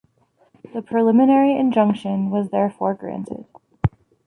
The preliminary injunction was therefore granted.